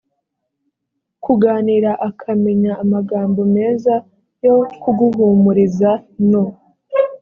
kuganira akamenya amagambo meza yo kuguhumuriza no